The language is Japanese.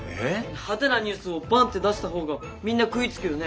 派手なニュースをバンッて出した方がみんな食いつくよね？